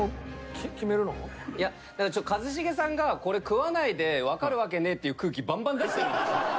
いやなんかちょっと一茂さんがこれ食わないでわかるわけねえっていう空気バンバン出してるんですよ。